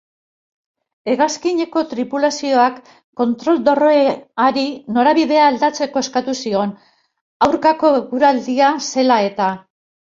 Hegazkineko tripulazioak kontrol-dorreari norabidea aldatzeko eskatu zion, aurkako eguraldia zela eta.